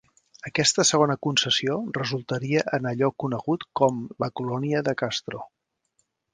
Aquesta segona concessió resultaria en allò conegut com la Colònia de Castro.